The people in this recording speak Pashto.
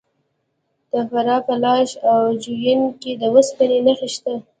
د فراه په لاش او جوین کې د وسپنې نښې شته.